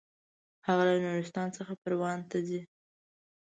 هغه له نورستان څخه پروان ته ځي.